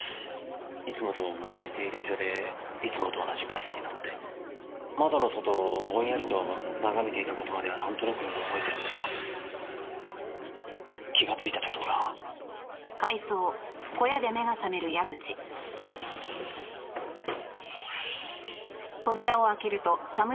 いつもと同じ停留所でいつもと同じバスに乗って窓の外をぼんやりと眺めていた事まではなんとなく覚えてるんですが気がついた時には。ああ。